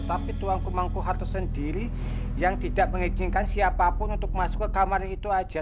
tapi tuan kumangkuharto sendiri yang tidak mengizinkan siapapun untuk masuk ke kamar itu aja